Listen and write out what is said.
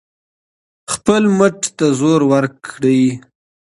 خپل مټ ته زور ورکړئ.